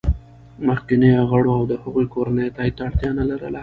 مخکینیو غړو او د هغوی کورنیو تایید ته اړتیا نه لرله